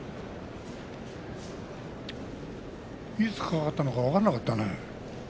いつ掛かったのか分からなかったね